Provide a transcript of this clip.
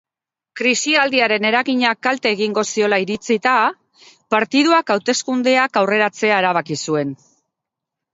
Krisialdiaren eraginak kalte egingo ziola iritzita, partiduak hauteskundeak aurreratzea erabaki zuen.